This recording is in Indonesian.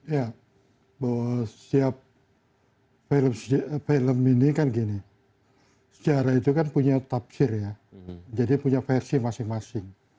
ya bahwa setiap film ini kan gini sejarah itu kan punya tafsir ya jadi punya versi masing masing